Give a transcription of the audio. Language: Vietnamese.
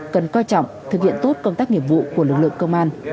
cần coi trọng thực hiện tốt công tác nghiệp vụ của lực lượng công an